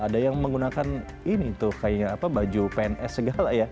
ada yang menggunakan ini tuh kayaknya apa baju pns segala ya